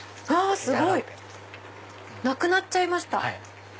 あすごい！なくなっちゃいました！